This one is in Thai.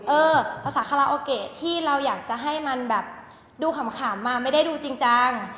ภาษาคาราโอเกะที่เราอยากจะให้มันแบบดูขำมาไม่ได้ดูจริงจัง